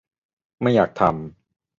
ไม่อยากทำ